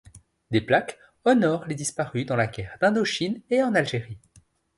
Des plaques honorent les disparus dans la guerre d'Indochine et en Algérie.